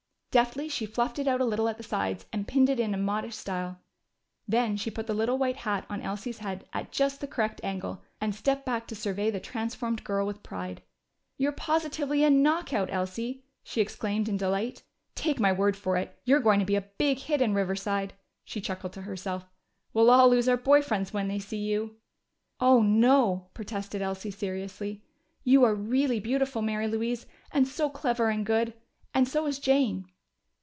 Deftly she fluffed it out a little at the sides and pinned it in a modish style. Then she put the little white felt hat on Elsie's head at just the correct angle and stepped back to survey the transformed girl with pride. "You're positively a knockout, Elsie!" she exclaimed in delight. "Take my word for it, you're going to be a big hit in Riverside." She chuckled to herself. "We'll all lose our boy friends when they see you!" "Oh no!" protested Elsie seriously. "You are really beautiful, Mary Louise! And so clever and good. And so is Jane."